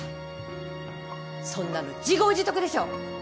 そんなの自業自得でしょ！